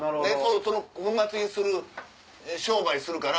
粉末にする商売するから。